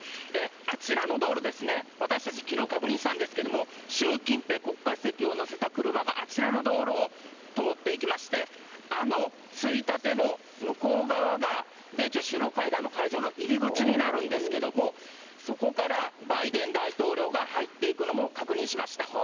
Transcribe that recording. あちらの道路ですね、私たち、きのう確認したんですけれども、習近平国家主席を乗せた車が、あちらの道路を通っていきまして、あのついたての向こう側が米中首脳会談の会場の入り口になるんですけれども、そこからバイデン大統領が入っていくのも確認しました。